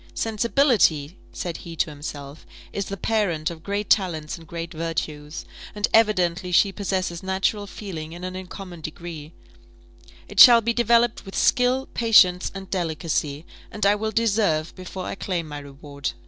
"Sensibility," said he to himself, "is the parent of great talents and great virtues; and evidently she possesses natural feeling in an uncommon degree: it shall be developed with skill, patience, and delicacy; and I will deserve before I claim my reward."